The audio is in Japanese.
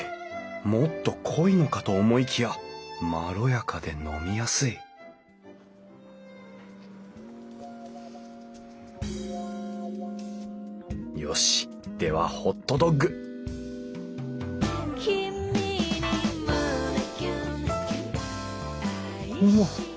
もっと濃いのかと思いきやまろやかで飲みやすいよしではホットドッグわっ！